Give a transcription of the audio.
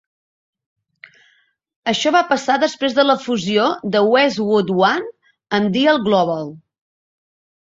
Això va passar després de la fusió de Westwood One amb Dial Global.